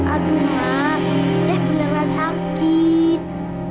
aduh ma def beneran sakit